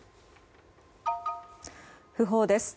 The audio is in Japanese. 訃報です。